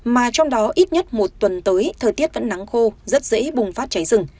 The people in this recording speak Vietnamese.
mà trong đó ít nhất một tuần tới thời tiết vẫn nắng khô rất dễ bùng phát cháy rừng